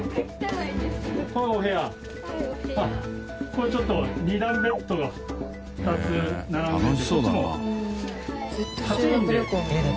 これちょっと２段ベッドが２つ並んでてこっちも８人で？